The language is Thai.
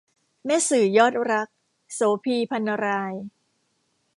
แม่สื่อยอดรัก - โสภี พรรณราย